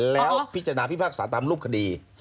แล้วพิจารณาพิพากษาตามรูปคดี